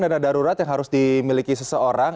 karena dana darurat yang harus dimiliki seseorang